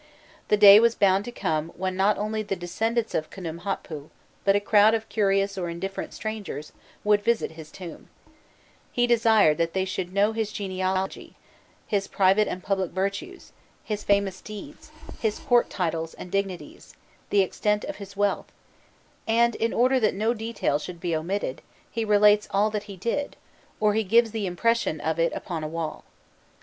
The day was bound to come when not only the descendants of Khnûmhotpû, but a crowd of curious or indifferent strangers, would visit his tomb: he desired that they should know his genealogy, his private and public virtues, his famous deeds, his court titles and dignities, the extent of his wealth; and in order that no detail should be omitted, he relates all that he did, or he gives the representation of it upon the wall.